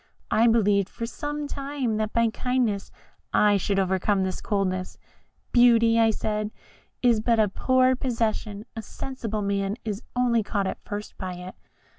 I believed for some time that by kindness I should overcome this coldness. 'Beauty,' I said, 'is but a poor possession a sensible man is only caught at first by it.